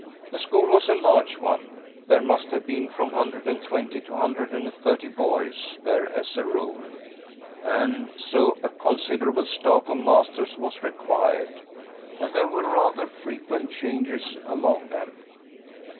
'The school was a large one: there must have been from 120 to 130 boys there as a rule, and so a considerable staff of masters was required, and there were rather frequent changes among them.